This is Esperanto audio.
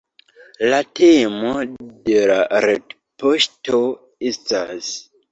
La temo de la retpoŝto estas